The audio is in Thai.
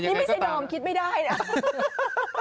นี่ไม่ใช่ดอมคิดไม่ได้นะ